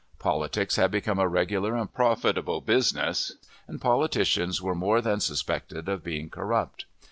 Politics had become a regular and profitable business, and politicians were more than suspected of being corrupt.